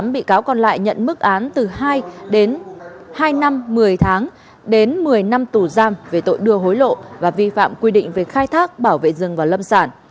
tám bị cáo còn lại nhận mức án từ hai đến hai năm một mươi tháng đến một mươi năm tù giam về tội đưa hối lộ và vi phạm quy định về khai thác bảo vệ rừng và lâm sản